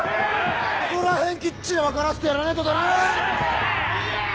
そこらへんきっちり分からせてやらねえとだな！